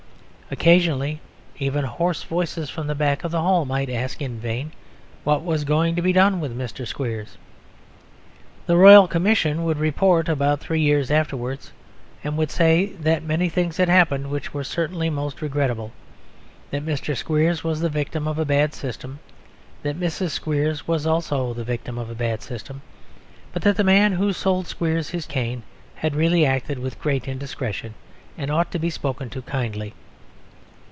Occasionally even hoarse voices from the back of the hall might ask (in vain) what was going to be done with Mr. Squeers. The Royal Commission would report about three years afterwards and would say that many things had happened which were certainly most regrettable; that Mr. Squeers was the victim of a bad system; that Mrs. Squeers was also the victim of a bad system; but that the man who sold Squeers his cane had really acted with great indiscretion and ought to be spoken to kindly.